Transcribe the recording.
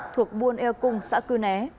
thuộc bình dương